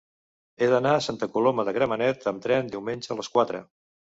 He d'anar a Santa Coloma de Gramenet amb tren diumenge a les quatre.